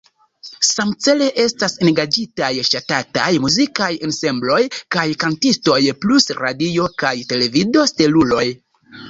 Samcele estas engaĝitaj ŝatataj muzikaj ensembloj kaj kantistoj plus radio- kaj televido-steluloj.